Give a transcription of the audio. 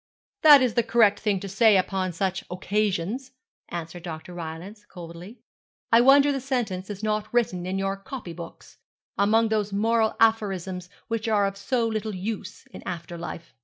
'That is the correct thing to say upon such occasions, answered Dr. Rylance, coldly; 'I wonder the sentence is not written in your copy books, among those moral aphorisms which are of so little use in after life.'